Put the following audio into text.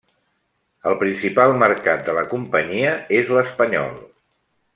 El principal mercat de la companyia és l'espanyol.